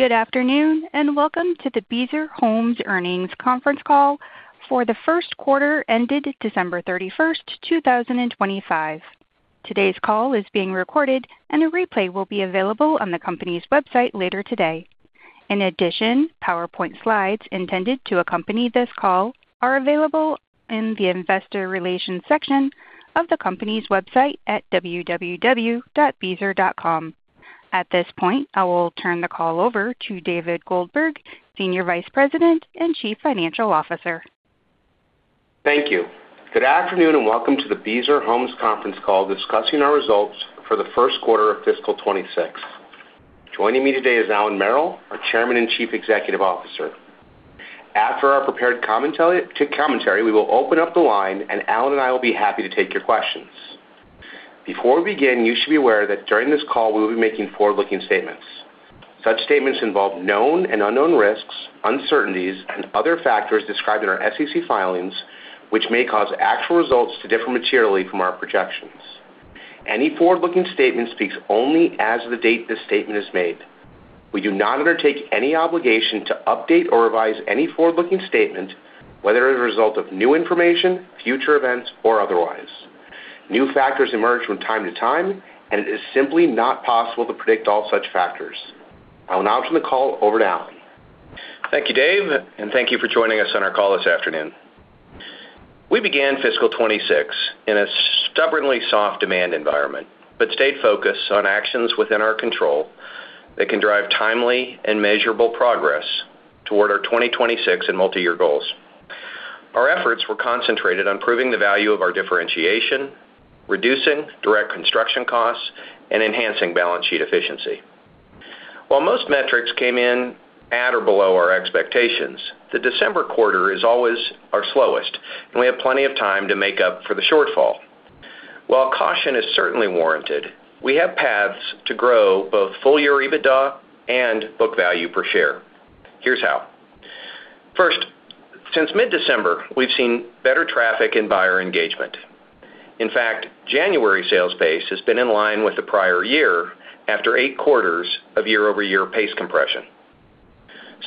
Good afternoon and welcome to the Beazer Homes earnings conference call for the first quarter ended December 31st, 2025. Today's call is being recorded, and a replay will be available on the company's website later today. In addition, PowerPoint slides intended to accompany this call are available in the investor relations section of the company's website at www.beazer.com. At this point, I will turn the call over to David Goldberg, Senior Vice President and Chief Financial Officer. Thank you. Good afternoon and welcome to the Beazer Homes conference call discussing our results for the first quarter of fiscal 2026. Joining me today is Allan Merrill, our Chairman and Chief Executive Officer. After our prepared commentary, we will open up the line, and Allan and I will be happy to take your questions. Before we begin, you should be aware that during this call, we will be making forward-looking statements. Such statements involve known and unknown risks, uncertainties, and other factors described in our SEC filings, which may cause actual results to differ materially from our projections. Any forward-looking statement speaks only as of the date this statement is made. We do not undertake any obligation to update or revise any forward-looking statement, whether as a result of new information, future events, or otherwise. New factors emerge from time to time, and it is simply not possible to predict all such factors. I will now turn the call over to Allan. Thank you, Dave, and thank you for joining us on our call this afternoon. We began fiscal 2026 in a stubbornly soft demand environment, but stayed focused on actions within our control that can drive timely and measurable progress toward our 2026 and multi-year goals. Our efforts were concentrated on proving the value of our differentiation, reducing direct construction costs, and enhancing balance sheet efficiency. While most metrics came in at or below our expectations, the December quarter is always our slowest, and we have plenty of time to make up for the shortfall. While caution is certainly warranted, we have paths to grow both full-year EBITDA and book value per share. Here's how. First, since mid-December, we've seen better traffic in buyer engagement. In fact, January sales pace has been in line with the prior year after 8 quarters of year-over-year pace compression.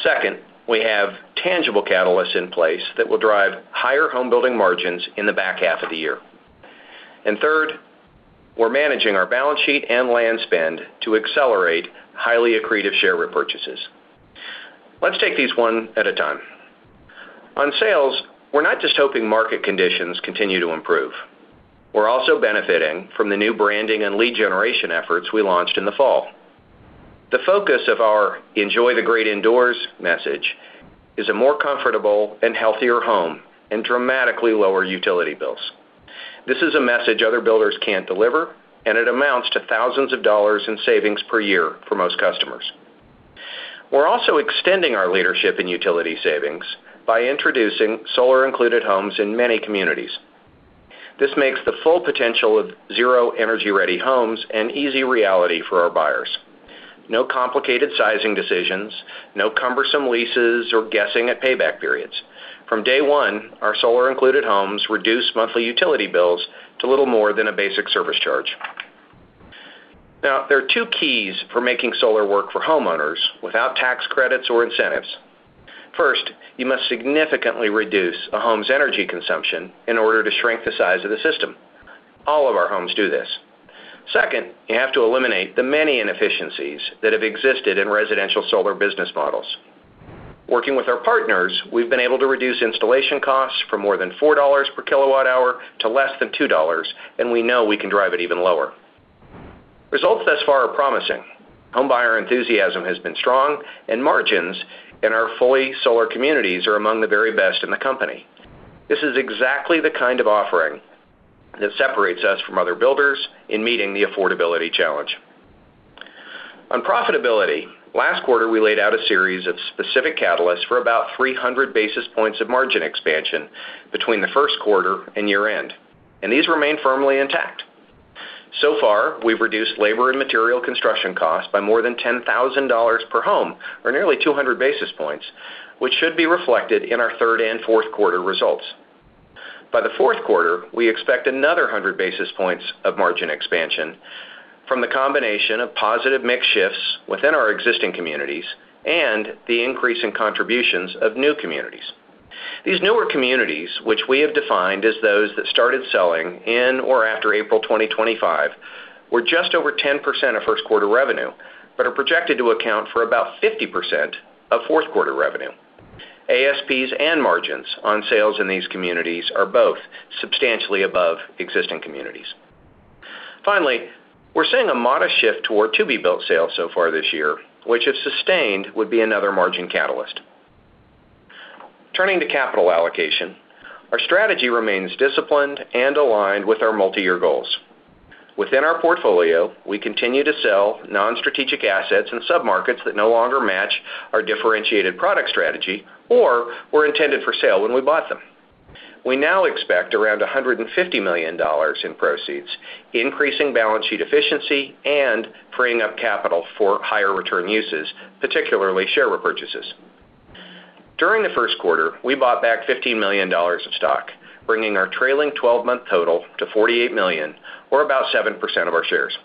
Second, we have tangible catalysts in place that will drive higher home building margins in the back half of the year. And third, we're managing our balance sheet and land spend to accelerate highly accretive share repurchases. Let's take these one at a time. On sales, we're not just hoping market conditions continue to improve. We're also benefiting from the new branding and lead generation efforts we launched in the fall. The focus of our "Enjoy the Great Indoors" message is a more comfortable and healthier home and dramatically lower utility bills. This is a message other builders can't deliver, and it amounts to thousands of dollars in savings per year for most customers. We're also extending our leadership in utility savings by introducing Solar-Included homes in many communities. This makes the full potential of Zero Energy Ready homes an easy reality for our buyers. No complicated sizing decisions, no cumbersome leases, or guessing at payback periods. From day one, our solar-included homes reduce monthly utility bills to little more than a basic service charge. Now, there are two keys for making solar work for homeowners without tax credits or incentives. First, you must significantly reduce a home's energy consumption in order to shrink the size of the system. All of our homes do this. Second, you have to eliminate the many inefficiencies that have existed in residential solar business models. Working with our partners, we've been able to reduce installation costs from more than $4 per kWh to less than $2, and we know we can drive it even lower. Results thus far are promising. Home buyer enthusiasm has been strong, and margins in our fully solar communities are among the very best in the company. This is exactly the kind of offering that separates us from other builders in meeting the affordability challenge. On profitability, last quarter, we laid out a series of specific catalysts for about 300 basis points of margin expansion between the first quarter and year-end, and these remain firmly intact. So far, we've reduced labor and material construction costs by more than $10,000 per home, or nearly 200 basis points, which should be reflected in our third and fourth quarter results. By the fourth quarter, we expect another 100 basis points of margin expansion from the combination of positive mix shifts within our existing communities and the increase in contributions of new communities. These newer communities, which we have defined as those that started selling in or after April 2025, were just over 10% of first-quarter revenue, but are projected to account for about 50% of fourth-quarter revenue. ASPs and margins on sales in these communities are both substantially above existing communities. Finally, we're seeing a modest shift toward to-be-built sales so far this year, which, if sustained, would be another margin catalyst. Turning to capital allocation, our strategy remains disciplined and aligned with our multi-year goals. Within our portfolio, we continue to sell non-strategic assets and sub-markets that no longer match our differentiated product strategy or were intended for sale when we bought them. We now expect around $150 million in proceeds, increasing balance sheet efficiency and freeing up capital for higher return uses, particularly share repurchases. During the first quarter, we bought back $15 million of stock, bringing our trailing 12-month total to $48 million, or about 7% of our shares.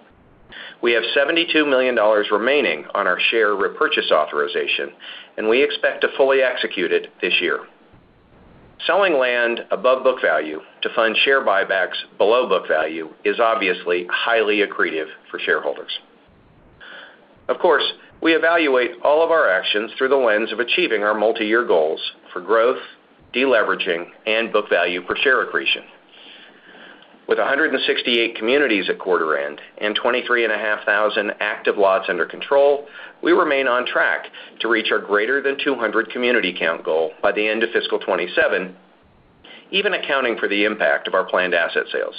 We have $72 million remaining on our share repurchase authorization, and we expect to fully execute it this year. Selling land above book value to fund share buybacks below book value is obviously highly accretive for shareholders. Of course, we evaluate all of our actions through the lens of achieving our multi-year goals for growth, deleveraging, and book value per share accretion. With 168 communities at quarter-end and 23,500 active lots under control, we remain on track to reach our greater-than-200 community count goal by the end of fiscal 2027, even accounting for the impact of our planned asset sales.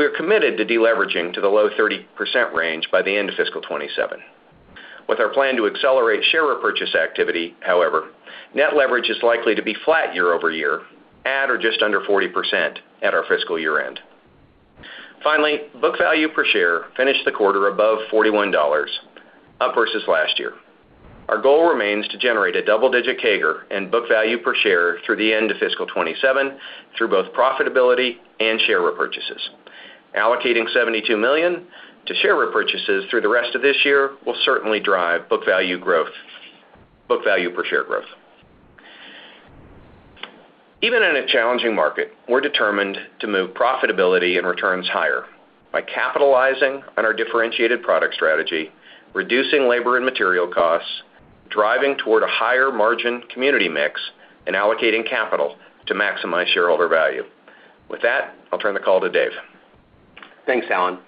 We are committed to deleveraging to the low 30% range by the end of fiscal 2027. With our plan to accelerate share repurchase activity, however, net leverage is likely to be flat year-over-year, at or just under 40% at our fiscal year-end. Finally, book value per share finished the quarter above $41, up versus last year. Our goal remains to generate a double-digit CAGR and book value per share through the end of fiscal 2027 through both profitability and share repurchases. Allocating $72 million to share repurchases through the rest of this year will certainly drive book value growth, book value per share growth. Even in a challenging market, we're determined to move profitability and returns higher by capitalizing on our differentiated product strategy, reducing labor and material costs, driving toward a higher margin community mix, and allocating capital to maximize shareholder value. With that, I'll turn the call to Dave. Thanks, Allan.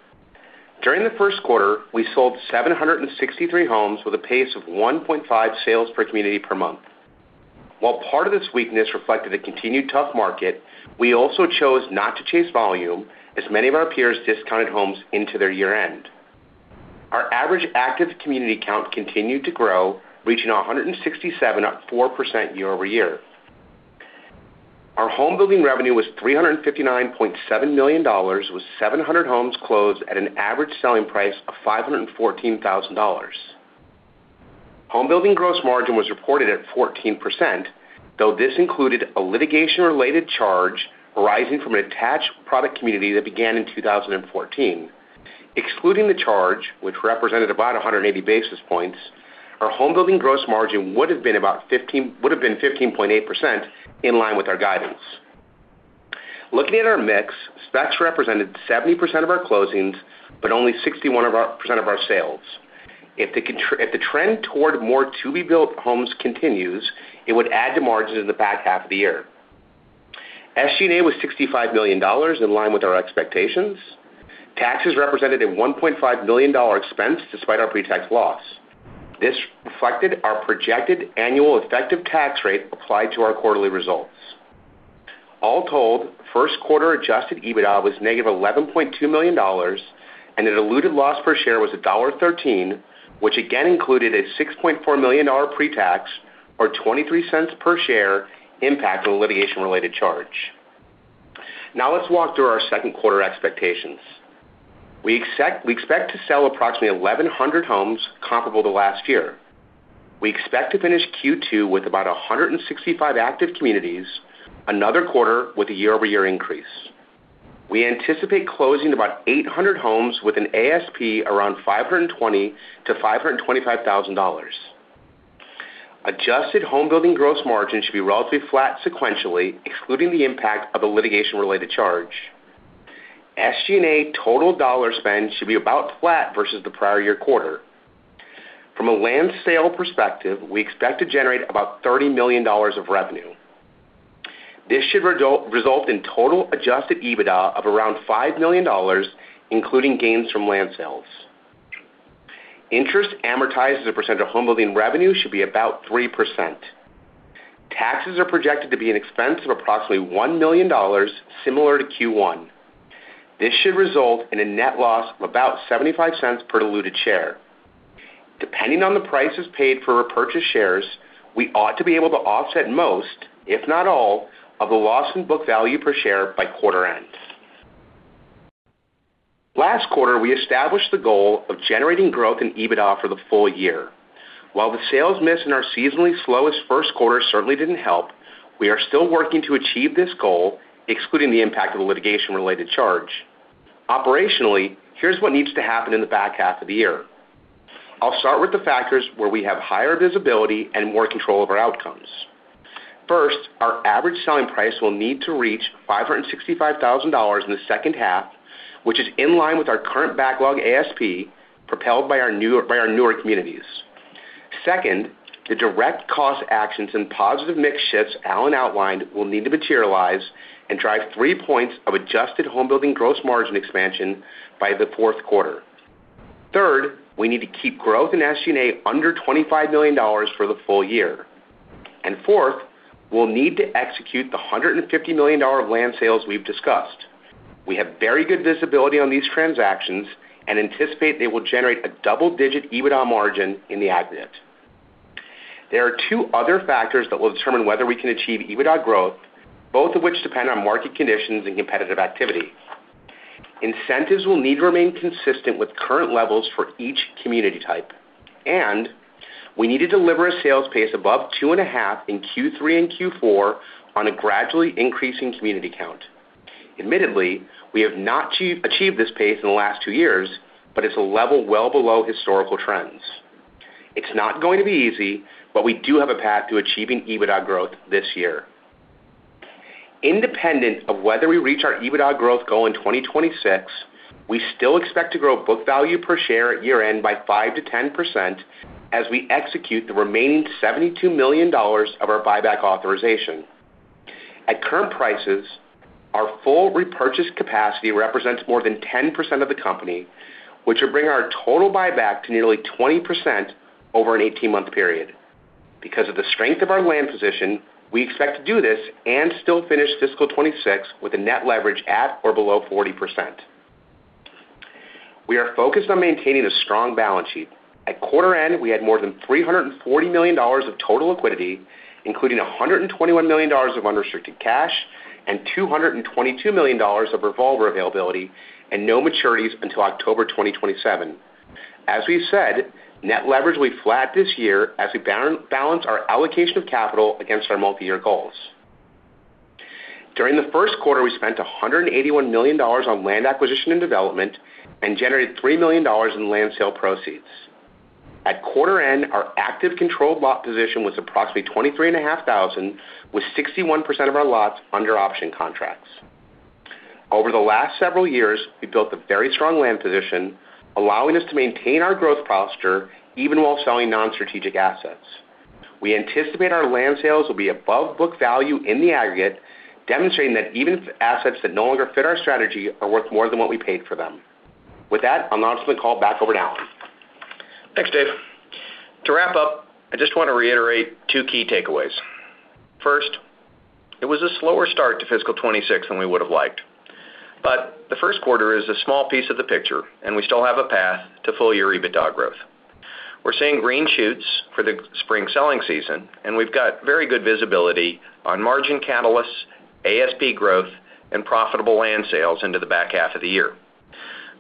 During the first quarter, we sold 763 homes with a pace of 1.5 sales per community per month. While part of this weakness reflected a continued tough market, we also chose not to chase volume as many of our peers discounted homes into their year-end. Our average active community count continued to grow, reaching 167 at 4% year-over-year. Our home building revenue was $359.7 million, with 700 homes closed at an average selling price of $514,000. Home building gross margin was reported at 14%, though this included a litigation-related charge arising from an attached product community that began in 2014. Excluding the charge, which represented about 180 basis points, our home building gross margin would have been about 15.8% in line with our guidance. Looking at our mix, specs represented 70% of our closings, but only 61% of our sales. If the trend toward more to-be-built homes continues, it would add to margins in the back half of the year. SG&A was $65 million in line with our expectations. Taxes represented a $1.5 million expense despite our pre-tax loss. This reflected our projected annual effective tax rate applied to our quarterly results. All told, first-quarter adjusted EBITDA was negative $11.2 million, and the diluted loss per share was $1.13, which again included a $6.4 million pre-tax or $0.23 per share impact on the litigation-related charge. Now, let's walk through our second quarter expectations. We expect to sell approximately 1,100 homes comparable to last year. We expect to finish Q2 with about 165 active communities, another quarter with a year-over-year increase. We anticipate closing about 800 homes with an ASP around $520,000-$525,000. Adjusted home building gross margin should be relatively flat sequentially, excluding the impact of the litigation-related charge. SG&A total dollar spend should be about flat versus the prior year quarter. From a land sale perspective, we expect to generate about $30 million of revenue. This should result in total adjusted EBITDA of around $5 million, including gains from land sales. Interest amortized as a percent of home building revenue should be about 3%. Taxes are projected to be an expense of approximately $1 million, similar to Q1. This should result in a net loss of about $0.75 per diluted share. Depending on the prices paid for repurchased shares, we ought to be able to offset most, if not all, of the loss in book value per share by quarter-end. Last quarter, we established the goal of generating growth in EBITDA for the full year. While the sales miss in our seasonally slowest first quarter certainly didn't help, we are still working to achieve this goal, excluding the impact of the litigation-related charge. Operationally, here's what needs to happen in the back half of the year. I'll start with the factors where we have higher visibility and more control of our outcomes. First, our average selling price will need to reach $565,000 in the second half, which is in line with our current backlog ASP propelled by our newer communities. Second, the direct cost actions and positive mix shifts Allan outlined will need to materialize and drive three points of adjusted home building gross margin expansion by the fourth quarter. Third, we need to keep growth in SG&A under $25 million for the full year. And fourth, we'll need to execute the $150 million of land sales we've discussed. We have very good visibility on these transactions and anticipate they will generate a double-digit EBITDA margin in the aggregate. There are two other factors that will determine whether we can achieve EBITDA growth, both of which depend on market conditions and competitive activity. Incentives will need to remain consistent with current levels for each community type. We need to deliver a sales pace above 2.5 in Q3 and Q4 on a gradually increasing community count. Admittedly, we have not achieved this pace in the last two years, but it's a level well below historical trends. It's not going to be easy, but we do have a path to achieving EBITDA growth this year. Independent of whether we reach our EBITDA growth goal in 2026, we still expect to grow book value per share year-end by 5%-10% as we execute the remaining $72 million of our buyback authorization. At current prices, our full repurchase capacity represents more than 10% of the company, which will bring our total buyback to nearly 20% over an 18-month period. Because of the strength of our land position, we expect to do this and still finish fiscal 2026 with a net leverage at or below 40%. We are focused on maintaining a strong balance sheet. At quarter-end, we had more than $340 million of total liquidity, including $121 million of unrestricted cash and $222 million of revolver availability and no maturities until October 2027. As we've said, net leverage will be flat this year as we balance our allocation of capital against our multi-year goals. During the first quarter, we spent $181 million on land acquisition and development and generated $3 million in land sale proceeds. At quarter-end, our active controlled lot position was approximately 23,500, with 61% of our lots under option contracts. Over the last several years, we built a very strong land position, allowing us to maintain our growth posture even while selling non-strategic assets. We anticipate our land sales will be above book value in the aggregate, demonstrating that even assets that no longer fit our strategy are worth more than what we paid for them. With that, I'll now turn the call back over to Allan. Thanks, Dave. To wrap up, I just want to reiterate two key takeaways. First, it was a slower start to fiscal 2026 than we would have liked. But the first quarter is a small piece of the picture, and we still have a path to full-year EBITDA growth. We're seeing green shoots for the spring selling season, and we've got very good visibility on margin catalysts, ASP growth, and profitable land sales into the back half of the year.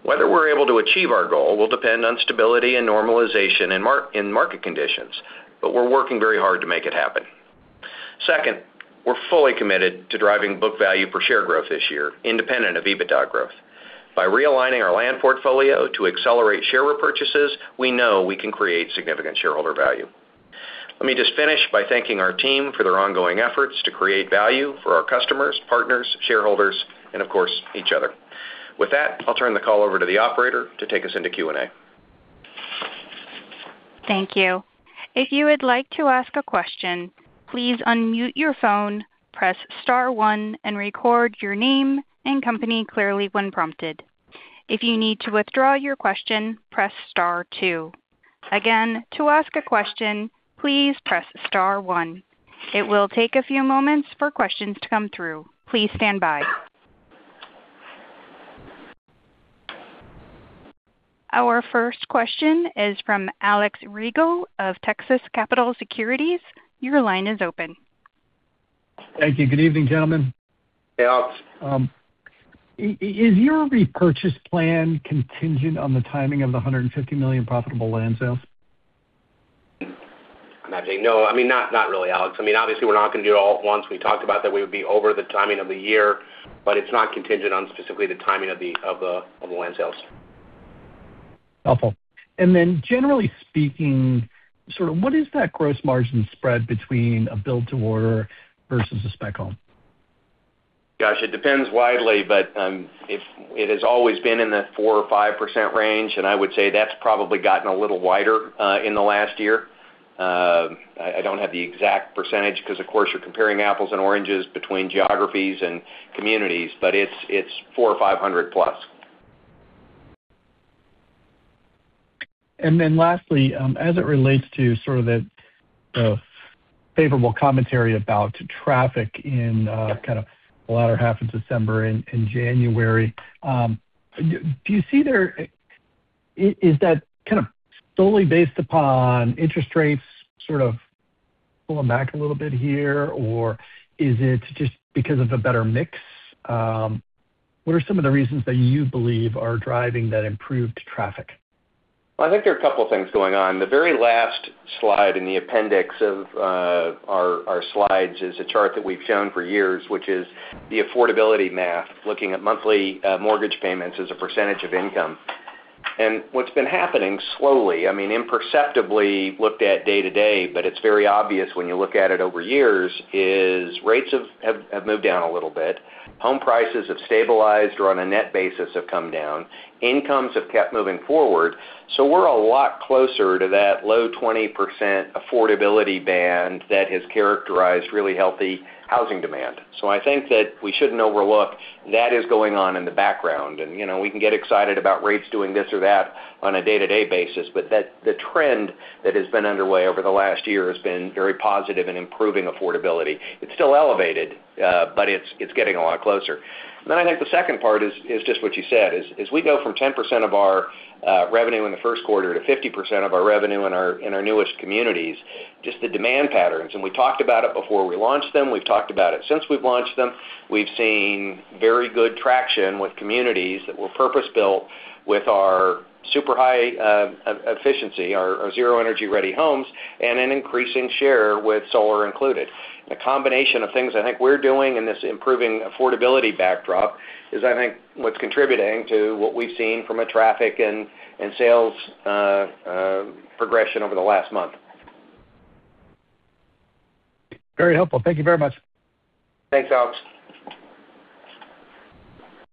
Whether we're able to achieve our goal will depend on stability and normalization in market conditions, but we're working very hard to make it happen. Second, we're fully committed to driving book value per share growth this year, independent of EBITDA growth. By realigning our land portfolio to accelerate share repurchases, we know we can create significant shareholder value. Let me just finish by thanking our team for their ongoing efforts to create value for our customers, partners, shareholders, and, of course, each other. With that, I'll turn the call over to the operator to take us into Q&A. Thank you. If you would like to ask a question, please unmute your phone, press star one, and record your name and company clearly when prompted. If you need to withdraw your question, press star two. Again, to ask a question, please press star one. It will take a few moments for questions to come through. Please stand by. Our first question is from Alex Riegel of Texas Capital Securities. Your line is open. Thank you. Good evening, gentlemen. Hey, Alex. Is your repurchase plan contingent on the timing of the $150 million profitable land sales? I'm not saying no. I mean, not really, Alex. I mean, obviously, we're not going to do it all at once. We talked about that we would be over the timing of the year, but it's not contingent on specifically the timing of the land sales. Helpful. And then, generally speaking, sort of what is that gross margin spread between a build-to-order versus a spec home? Gosh, it depends widely, but it has always been in the 4%-5% range, and I would say that's probably gotten a little wider in the last year. I don't have the exact percentage because, of course, you're comparing apples and oranges between geographies and communities, but it's 400 or 500+. And then lastly, as it relates to sort of the favorable commentary about traffic in kind of the latter half of December and January, do you see there is that kind of solely based upon interest rates sort of pulling back a little bit here, or is it just because of a better mix? What are some of the reasons that you believe are driving that improved traffic? Well, I think there are a couple of things going on. The very last slide in the appendix of our slides is a chart that we've shown for years, which is the affordability math, looking at monthly mortgage payments as a percentage of income. What's been happening slowly, I mean, imperceptibly looked at day to day, but it's very obvious when you look at it over years, is rates have moved down a little bit. Home prices have stabilized or, on a net basis, have come down. Incomes have kept moving forward. So we're a lot closer to that low 20% affordability band that has characterized really healthy housing demand. So I think that we shouldn't overlook that is going on in the background. And we can get excited about rates doing this or that on a day-to-day basis, but the trend that has been underway over the last year has been very positive in improving affordability. It's still elevated, but it's getting a lot closer. And then I think the second part is just what you said. As we go from 10% of our revenue in the first quarter to 50% of our revenue in our newest communities, just the demand patterns, and we talked about it before we launched them, we've talked about it since we've launched them, we've seen very good traction with communities that were purpose-built with our super high efficiency, our Zero Energy Ready homes, and an increasing share with solar included. The combination of things I think we're doing and this improving affordability backdrop is, I think, what's contributing to what we've seen from a traffic and sales progression over the last month. Very helpful. Thank you very much. Thanks, Alex.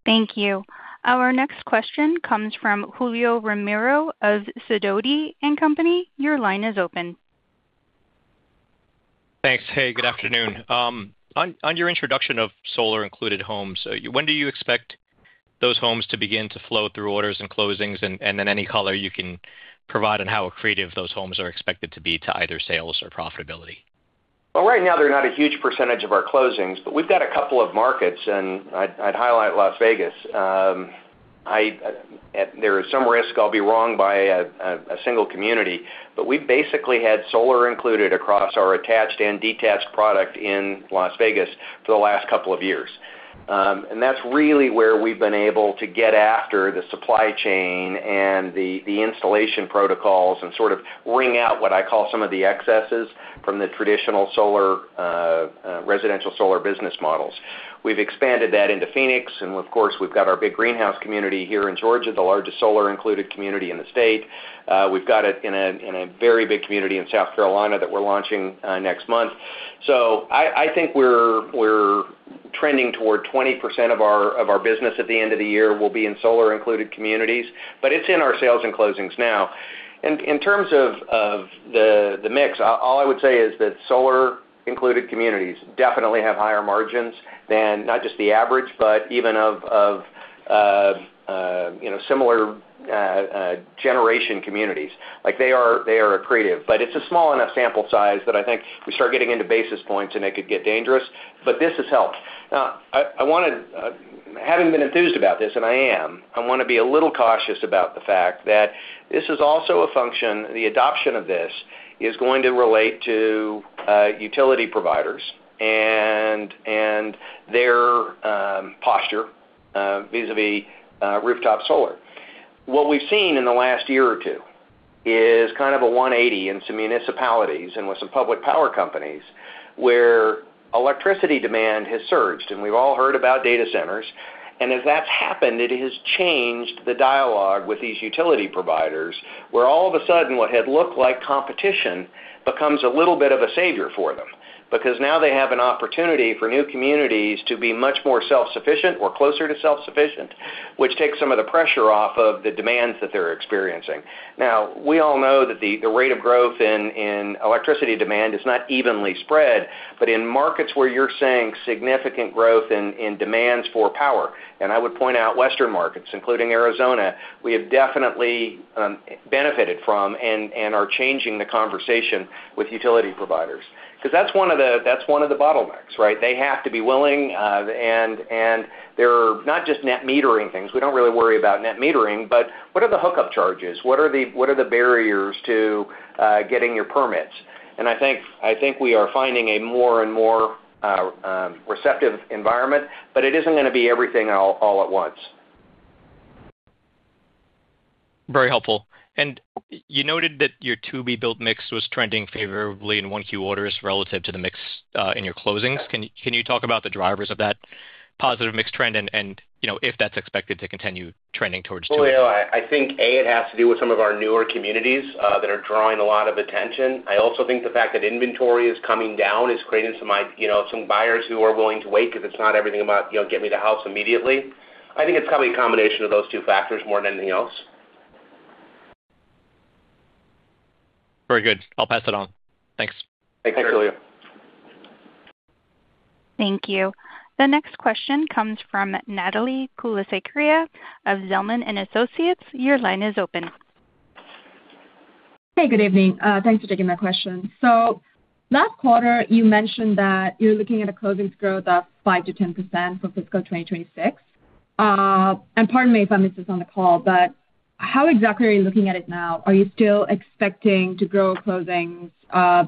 Thank you. Our next question comes from Julio Romero of Sidoti & Company. Your line is open. Thanks. Hey, good afternoon. On your introduction of Solar-Included Homes, when do you expect those homes to begin to flow through orders and closings, and then any color you can provide on how accretive those homes are expected to be to either sales or profitability? Well, right now, they're not a huge percentage of our closings, but we've got a couple of markets, and I'd highlight Las Vegas. There is some risk I'll be wrong by a single community, but we've basically had solar included across our attached and detached product in Las Vegas for the last couple of years. And that's really where we've been able to get after the supply chain and the installation protocols and sort of wring out what I call some of the excesses from the traditional residential solar business models. We've expanded that into Phoenix, and of course, we've got our big greenhouse community here in Georgia, the largest solar-included community in the state. We've got it in a very big community in South Carolina that we're launching next month. So I think we're trending toward 20% of our business at the end of the year will be in solar-included communities, but it's in our sales and closings now. And in terms of the mix, all I would say is that solar-included communities definitely have higher margins than not just the average, but even of similar generation communities. They are accretive, but it's a small enough sample size that I think we start getting into basis points, and it could get dangerous, but this has helped. Now, having been enthused about this, and I am, I want to be a little cautious about the fact that this is also a function, the adoption of this is going to relate to utility providers and their posture vis-à-vis rooftop solar. What we've seen in the last year or two is kind of a 180 in some municipalities and with some public power companies where electricity demand has surged, and we've all heard about data centers. As that's happened, it has changed the dialogue with these utility providers where all of a sudden what had looked like competition becomes a little bit of a savior for them because now they have an opportunity for new communities to be much more self-sufficient or closer to self-sufficient, which takes some of the pressure off of the demands that they're experiencing. Now, we all know that the rate of growth in electricity demand is not evenly spread, but in markets where you're seeing significant growth in demands for power, and I would point out western markets, including Arizona, we have definitely benefited from and are changing the conversation with utility providers because that's one of the bottlenecks, right? They have to be willing, and they're not just net metering things. We don't really worry about net metering, but what are the hookup charges? What are the barriers to getting your permits? And I think we are finding a more and more receptive environment, but it isn't going to be everything all at once. Very helpful. You noted that your to-be-built mix was trending favorably in 1Q orders relative to the mix in your closings. Can you talk about the drivers of that positive mix trend and if that's expected to continue trending towards to-be-built? Julio, I think it has to do with some of our newer communities that are drawing a lot of attention. I also think the fact that inventory is coming down is creating some buyers who are willing to wait because it's not everything about, "Get me the house immediately." I think it's probably a combination of those two factors more than anything else. Very good. I'll pass it on. Thanks. Thanks, Julio. Thank you. The next question comes from Natalie Kulasekere of Zelman & Associates. Your line is open. Hey, good evening. Thanks for taking my question. So last quarter, you mentioned that you're looking at a closings growth of 5%-10% for fiscal 2026. And pardon me if I missed this on the call, but how exactly are you looking at it now? Are you still expecting to grow closings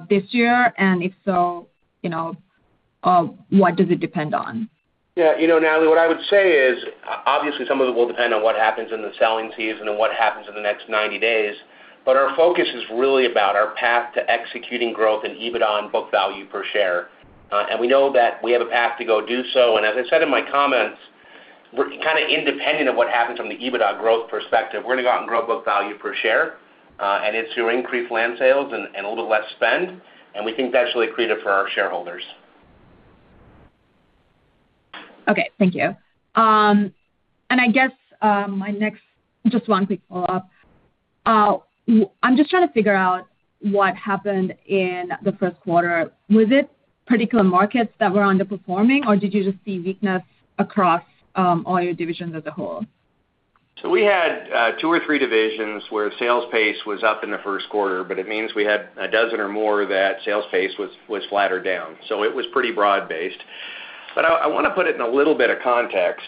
this year? And if so, what does it depend on? Yeah. Natalie, what I would say is, obviously, some of it will depend on what happens in the selling season and what happens in the next 90 days. But our focus is really about our path to executing growth in EBITDA and book value per share. And we know that we have a path to go do so. And as I said in my comments, kind of independent of what happens from the EBITDA growth perspective, we're going to go out and grow book value per share, and it's through increased land sales and a little less spend. And we think that's really accretive for our shareholders. Okay. Thank you. I guess my next just one quick follow-up. I'm just trying to figure out what happened in the first quarter. Was it particular markets that were underperforming, or did you just see weakness across all your divisions as a whole? So we had two or three divisions where sales pace was up in the first quarter, but it means we had a dozen or more that sales pace was flatter down. So it was pretty broad-based. But I want to put it in a little bit of context.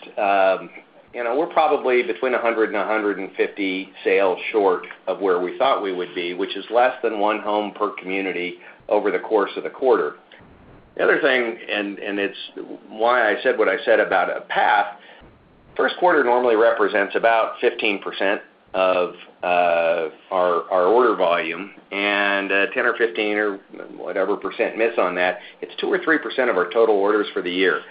We're probably between 100-150 sales short of where we thought we would be, which is less than one home per community over the course of the quarter. The other thing, and it's why I said what I said about a path, first quarter normally represents about 15% of our order volume, and 10% or 15% or whatever percent miss on that, it's 2% or 3% of our total orders for the year.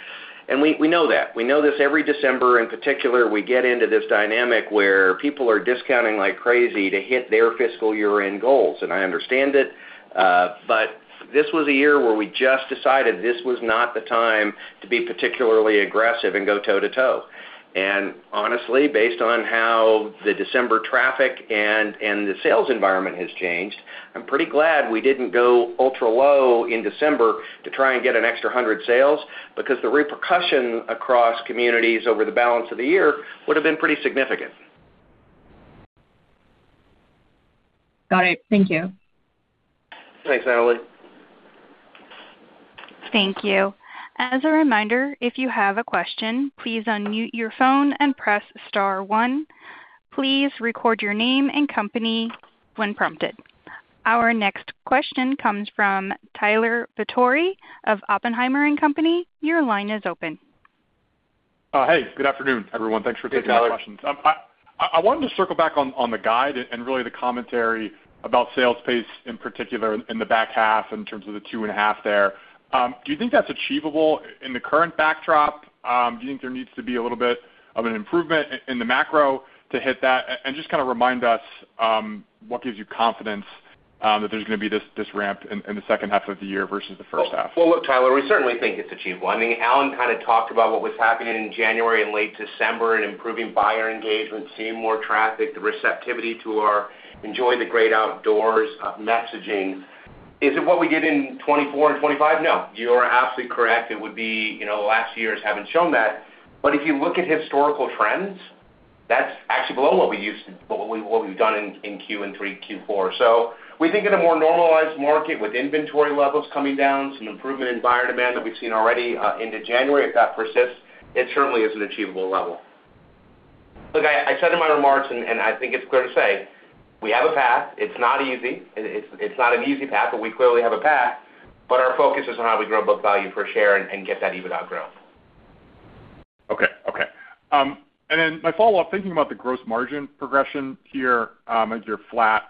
And we know that. We know this every December in particular. We get into this dynamic where people are discounting like crazy to hit their fiscal year-end goals. I understand it, but this was a year where we just decided this was not the time to be particularly aggressive and go toe-to-toe. Honestly, based on how the December traffic and the sales environment has changed, I'm pretty glad we didn't go ultra low in December to try and get an extra 100 sales because the repercussion across communities over the balance of the year would have been pretty significant. Got it. Thank you. Thanks, Natalie. Thank you. As a reminder, if you have a question, please unmute your phone and press star one. Please record your name and company when prompted. Our next question comes from Tyler Batory of Oppenheimer & Co. Your line is open. Hey, good afternoon, everyone. Thanks for taking my questions. I wanted to circle back on the guide and really the commentary about sales pace in particular in the back half in terms of the 2.5 there. Do you think that's achievable in the current backdrop? Do you think there needs to be a little bit of an improvement in the macro to hit that? And just kind of remind us, what gives you confidence that there's going to be this ramp in the second half of the year versus the first half? Well, look, Tyler, we certainly think it's achievable. I mean, Allan kind of talked about what was happening in January and late December and improving buyer engagement, seeing more traffic, the receptivity to our enjoy the great outdoors messaging. Is it what we did in 2024 and 2025? No. You are absolutely correct. It would be the last years haven't shown that. But if you look at historical trends, that's actually below what we've done in Q3, Q4. So we think at a more normalized market with inventory levels coming down, some improvement in buyer demand that we've seen already into January, if that persists, it certainly is an achievable level. Look, I said in my remarks, and I think it's clear to say, we have a path. It's not easy. It's not an easy path, but we clearly have a path. But our focus is on how we grow book value per share and get that EBITDA growth. Okay. And then my follow-up, thinking about the gross margin progression here, you're flat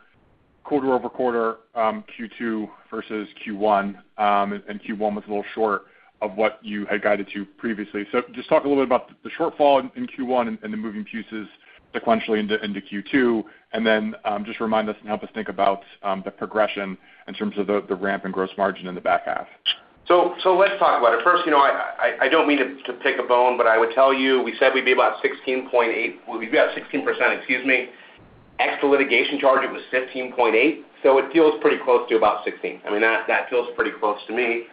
quarter over quarter, Q2 versus Q1, and Q1 was a little short of what you had guided to previously. So just talk a little bit about the shortfall in Q1 and the moving pieces sequentially into Q2, and then just remind us and help us think about the progression in terms of the ramp in gross margin in the back half. So let's talk about it. First, I don't mean to pick a bone, but I would tell you we said we'd be about 16.8%. We'd be about 16%, excuse me. Extra litigation charge, it was 15.8%. So it feels pretty close to about 16%. I mean, that feels pretty close to me.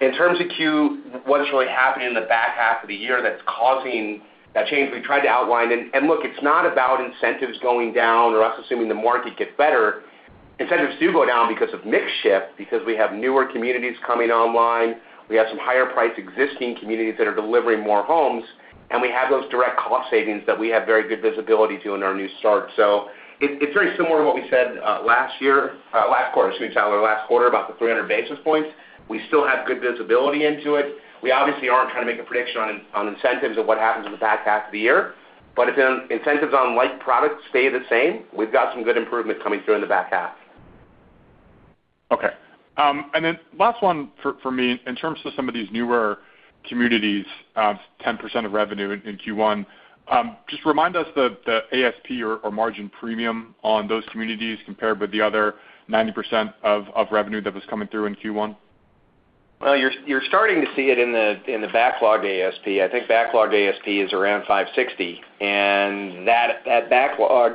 In terms of Q, what's really happening in the back half of the year that's causing that change we tried to outline? And look, it's not about incentives going down or us assuming the market gets better. Incentives do go down because of mix shift because we have newer communities coming online. We have some higher-priced existing communities that are delivering more homes, and we have those direct cost savings that we have very good visibility to in our new start. So it's very similar to what we said last year, last quarter, excuse me, Tyler, last quarter, about the 300 basis points. We still have good visibility into it. We obviously aren't trying to make a prediction on incentives and what happens in the back half of the year, but if incentives on light products stay the same, we've got some good improvement coming through in the back half. Okay. And then last one for me, in terms of some of these newer communities, 10% of revenue in Q1, just remind us the ASP or margin premium on those communities compared with the other 90% of revenue that was coming through in Q1? Well, you're starting to see it in the backlog ASP. I think backlog ASP is around 560, and that backlog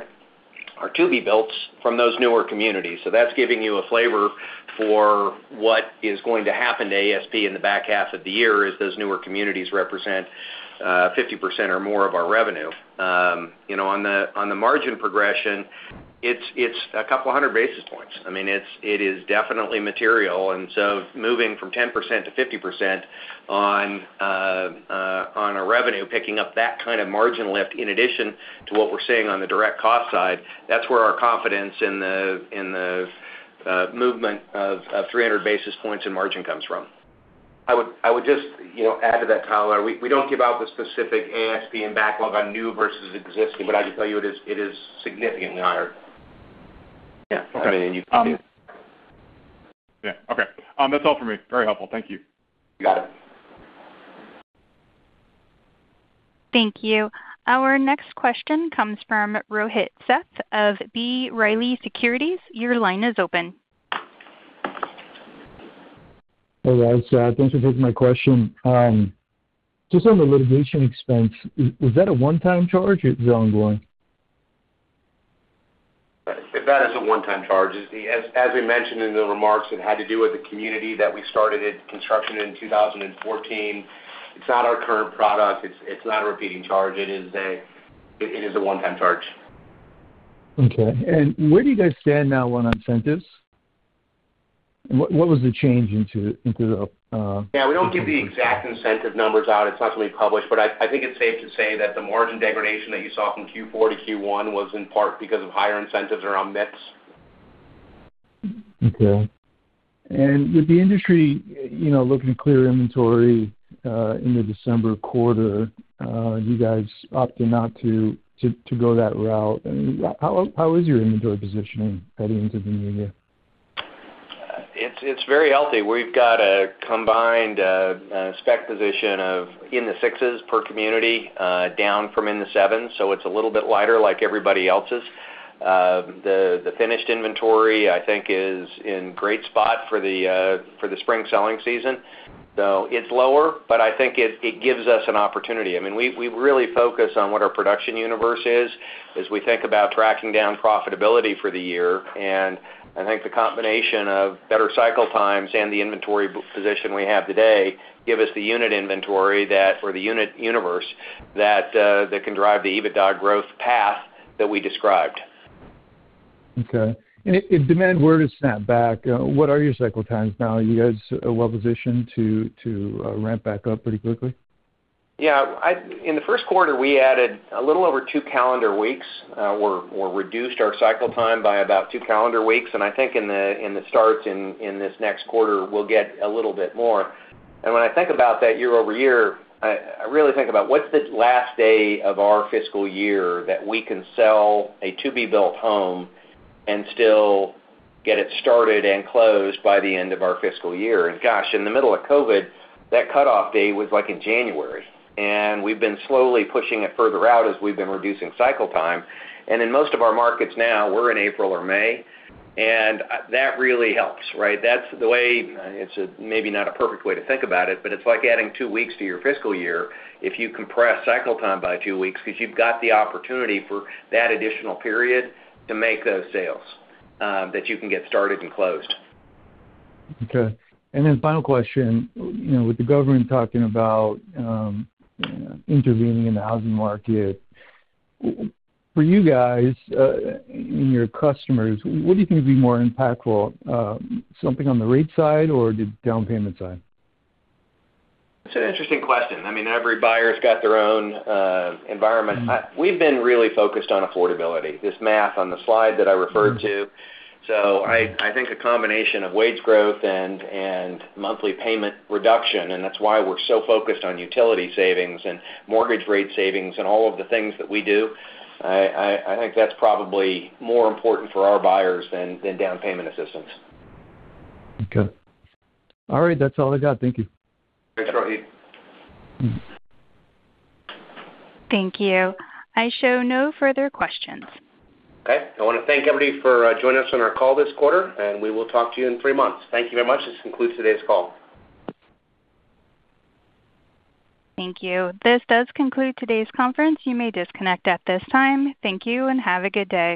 are to-be-built from those newer communities. So that's giving you a flavor for what is going to happen to ASP in the back half of the year as those newer communities represent 50% or more of our revenue. On the margin progression, it's a couple of hundred basis points. I mean, it is definitely material. And so moving from 10%-50% on a revenue, picking up that kind of margin lift in addition to what we're seeing on the direct cost side, that's where our confidence in the movement of 300 basis points in margin comes from. I would just add to that, Tyler, we don't give out the specific ASP and backlog on new versus existing, but I can tell you it is significantly higher. Yeah. Okay. I mean, and you can do. Yeah. Okay. That's all for me. Very helpful. Thank you. You got it. Thank you. Our next question comes from Rohit Seth of B. Riley Securities. Your line is open. Hey, guys. Thanks for taking my question. Just on the litigation expense, was that a one-time charge or is it ongoing? That is a one-time charge. As we mentioned in the remarks, it had to do with the community that we started construction in 2014. It's not our current product. It's not a repeating charge. It is a one-time charge. Okay. Where do you guys stand now on incentives? What was the change into the? Yeah. We don't give the exact incentive numbers out. It's not something we publish, but I think it's safe to say that the margin degradation that you saw from Q4 to Q1 was in part because of higher incentives around mix. Okay. With the industry looking to clear inventory in the December quarter, you guys opted not to go that route. How is your inventory positioning heading into the new year? It's very healthy. We've got a combined spec position of in the 6s per community down from in the 7s. So it's a little bit lighter like everybody else's. The finished inventory, I think, is in great spot for the spring selling season. So it's lower, but I think it gives us an opportunity. I mean, we really focus on what our production universe is as we think about tracking down profitability for the year. And I think the combination of better cycle times and the inventory position we have today give us the unit inventory or the unit universe that can drive the EBITDA growth path that we described. Okay. If demand were to snap back, what are your cycle times now? Are you guys well-positioned to ramp back up pretty quickly? Yeah. In the first quarter, we added a little over two calendar weeks. We reduced our cycle time by about two calendar weeks. And I think at the start of this next quarter, we'll get a little bit more. And when I think about that year-over-year, I really think about what's the last day of our fiscal year that we can sell a to-be-built home and still get it started and closed by the end of our fiscal year. And gosh, in the middle of COVID, that cutoff date was like in January. And we've been slowly pushing it further out as we've been reducing cycle time. And in most of our markets now, we're in April or May. And that really helps, right? That's the way it's maybe not a perfect way to think about it, but it's like adding two weeks to your fiscal year if you compress cycle time by two weeks because you've got the opportunity for that additional period to make those sales that you can get started and closed. Okay. Final question. With the government talking about intervening in the housing market, for you guys and your customers, what do you think would be more impactful, something on the rate side or the down payment side? That's an interesting question. I mean, every buyer has got their own environment. We've been really focused on affordability, this math on the slide that I referred to. So I think a combination of wage growth and monthly payment reduction, and that's why we're so focused on utility savings and mortgage rate savings and all of the things that we do. I think that's probably more important for our buyers than down payment assistance. Okay. All right. That's all I got. Thank you. Thanks, Rohit. Thank you. I show no further questions. Okay. I want to thank everybody for joining us on our call this quarter, and we will talk to you in three months. Thank you very much. This concludes today's call. Thank you. This does conclude today's conference. You may disconnect at this time. Thank you and have a good day.